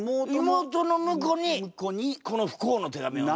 妹の婿にこの不幸の手紙をね。